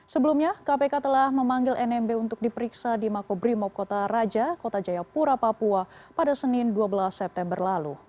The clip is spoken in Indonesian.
sebelumnya kpk telah memanggil nmb untuk diperiksa di makobrimob kota raja kota jayapura papua pada senin dua belas september lalu